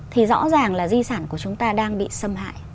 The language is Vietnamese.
thì rõ ràng là di sản của chúng ta đang bị xâm hại